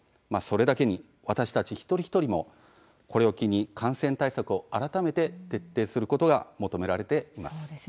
それだけに私たち一人一人もこれを機に感染対策を改めて徹底することがそうですね。